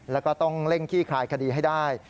แล้วก็ต้องเร่งขี้คลายคดีให้ได้